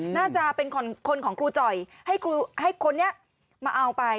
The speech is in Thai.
น่าจะเป็นคนของครูจ่อยให้คนนี้มาเอาไป